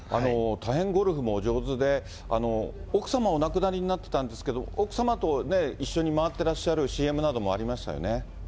大変ゴルフもお上手で、奥様、お亡くなりになってたんですけど、奥様とね、一緒に回ってらっしゃるＣＭなどもありましたよね。